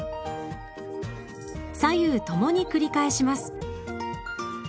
左右ともに繰り返します。